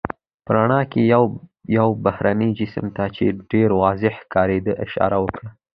په رڼا کې یې یو بهرني جسم ته، چې ډېر واضح ښکارېده اشاره وکړه.